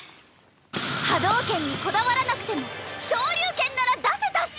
波動拳にこだわらなくても昇龍拳なら出せたし！